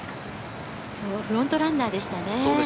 フロントランナーでしたね。